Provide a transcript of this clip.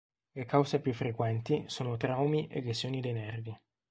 Le cause più frequenti sono traumi e lesioni dei nervi.